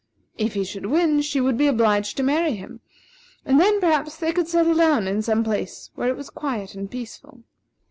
If he should win, she would be obliged to marry him; and then, perhaps, they could settle down in some place where it was quiet and peaceful.